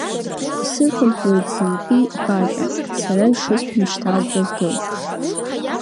Исырхынҳәуеит зынтәи бажәа, сара ишыстәым шьҭа агәра згоит.